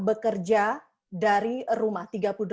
bekerja dari rumah